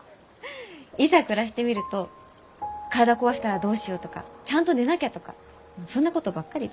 いざ暮らしてみると体壊したらどうしようとかちゃんと寝なきゃとかそんなことばっかりで。